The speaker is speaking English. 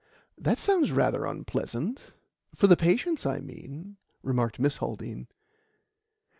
"That sounds rather unpleasant for the patients, I mean," remarked Miss Haldean.